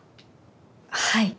はい。